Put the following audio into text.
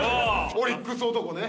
オリックス男が。